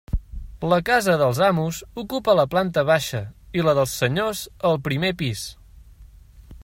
La casa dels amos ocupa la planta baixa i la dels senyors el primer pis.